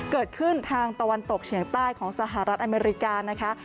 ทางตะวันตกเฉียงใต้ของสหรัฐอเมริกานะคะ